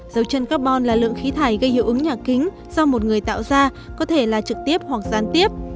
dấu chân carbon là lượng khí thải gây hiệu ứng nhà kính do một người tạo ra có thể là trực tiếp hoặc gián tiếp